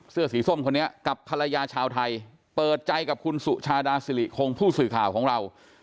เสื้อสีส้มคนนี้กับภรรยาชาวไทยเปิดใจกับคุณสุชาดาสิริคงผู้สื่อข่าวของเรา